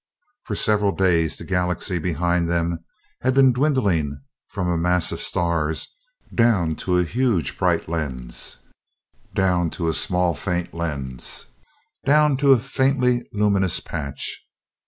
For several days the Galaxy behind them had been dwindling from a mass of stars down to a huge bright lens; down to a small, faint lens; down to a faintly luminous patch.